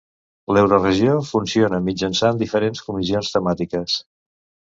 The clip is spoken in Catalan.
L'Euroregió funciona mitjançant diferents comissions temàtiques.